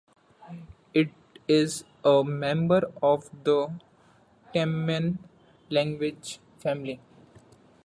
It is a member of the Taman language family.